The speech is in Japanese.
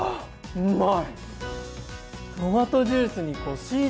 うまい！